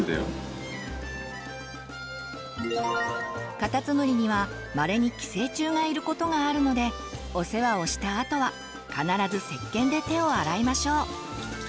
カタツムリにはまれに寄生虫がいる事があるのでお世話をしたあとは必ずせっけんで手を洗いましょう！